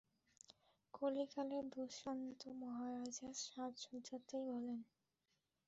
কলিকালের দুষ্যন্ত মহারাজরা সাজ-সজ্জাতেই ভোলেন।